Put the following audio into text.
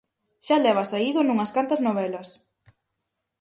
Xa leva saído nunhas cantas novelas.